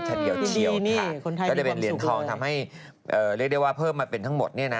คือเลี่ยนทองทำให้เพิ่มมาเป็นทั้งหมด